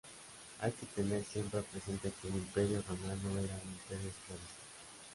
Hay que tener siempre presente que el Imperio romano era un imperio esclavista.